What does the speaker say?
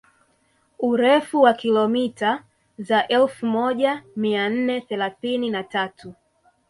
Urefu wa kilomita za elfu moja mia nne thelathini na tatu